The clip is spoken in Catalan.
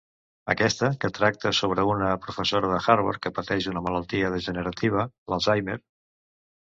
Aquesta, que tracta sobre una professora de Harvard que pateix una malaltia degenerativa, l'Alzheimer.